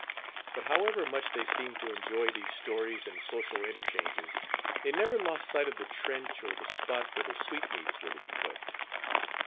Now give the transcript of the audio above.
But however much they seemed to enjoy these stories and social interchanges, they never lost sight of the trench or the spot where the sweetmeats were to be cooked.